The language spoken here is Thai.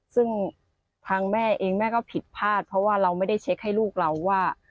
ซึ่งทางแม่เองแม่ก็ผิดพลาดเพราะว่าเราไม่ได้เช็คให้ลูกเราว่า